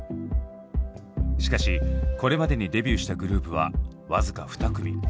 しかしこれまでにデビューしたグループは僅か２組。